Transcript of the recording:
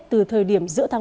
từ thời điểm giữa tháng một